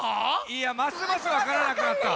いやますますわからなくなった。